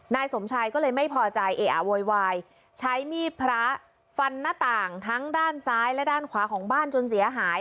นายสมชายก็เลยไม่พอใจเออะโวยวายใช้มีดพระฟันหน้าต่างทั้งด้านซ้ายและด้านขวาของบ้านจนเสียหาย